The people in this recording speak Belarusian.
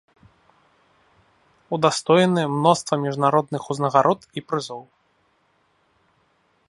Удастоены мноства міжнародных узнагарод і прызоў.